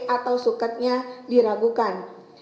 atau suketnya diragukan